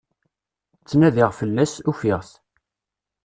Ttnadiɣ fell-as, ufiɣ-it.